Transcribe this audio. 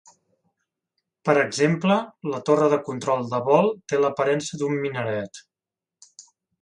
Per exemple, la torre de control de vol té l'aparença d'un minaret.